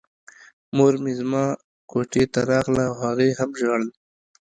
مور مې زما کوټې ته راغله او هغې هم ژړل